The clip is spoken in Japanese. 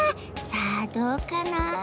さあどうかな？